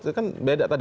itu kan beda tadi